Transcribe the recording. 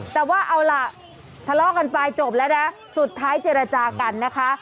แต่ว่าเอาล่ะทะเลาะกันไปจบแล้วนะสุดท้ายเจรจากันนะคะ